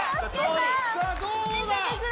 さあどうだ！